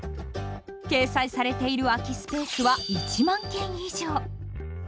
掲載されている空きスペースは１０，０００件以上。